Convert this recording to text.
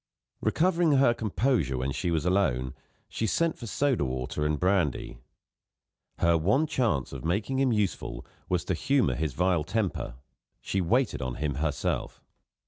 Recovering her composure when she was alone, she sent for soda water and brandy. Her one chance of making him useful was to humour his vile temper; she waited on him herself.